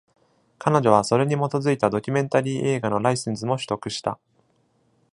彼女はそれに基づいたドキュメンタリー映画のライセンスも取得した。